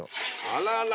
あららら。